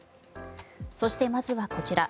そして、まずはこちら。